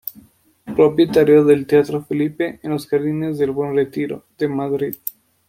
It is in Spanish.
Propietario del teatro Felipe en los Jardines del Buen Retiro de Madrid.